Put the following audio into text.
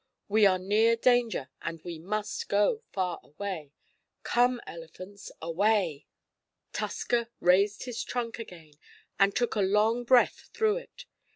We are near danger and we must go far away. Come, elephants away!" Tusker raised his trunk again, and took a long breath through it.